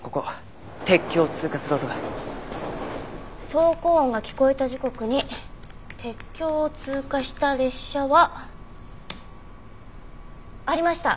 走行音が聞こえた時刻に鉄橋を通過した列車は。ありました。